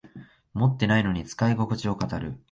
持ってないのに使いここちを語る